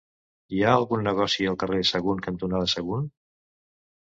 Hi ha algun negoci al carrer Sagunt cantonada Sagunt?